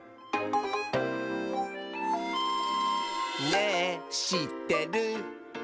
「ねぇしってる？」